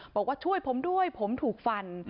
บอกว่าช่วยผมด้วยผมถูกฟัน